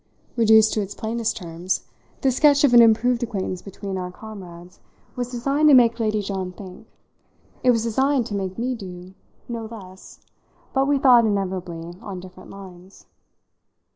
Reduced to its plainest terms, this sketch of an improved acquaintance between our comrades was designed to make Lady John think. It was designed to make me do no less, but we thought, inevitably, on different lines.